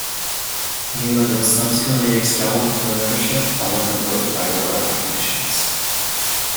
Neiland was subsequently expelled from the membership following a vote by Royal Academicians.